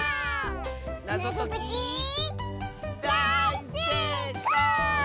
なぞときだい・せい・こう！